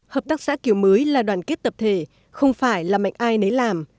hợp tác xã kiểu mới là đoàn kết tập thể không phải là mạnh ai nấy làm